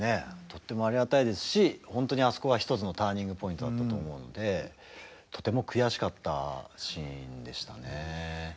とってもありがたいですし本当にあそこは一つのターニングポイントだったと思うのでとても悔しかったシーンでしたね。